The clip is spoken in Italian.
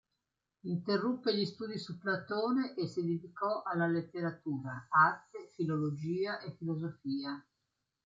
Interruppe gli studi su Platone e si dedicò alla letteratura, arte, filologia e filosofia.